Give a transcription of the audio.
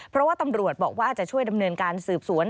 เพราะว่าตำรวจบอกว่าจะช่วยดำเนินการสืบสวน